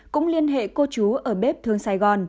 cũng liên hệ cô chú ở bếp thương sài gòn